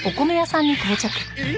えっ！？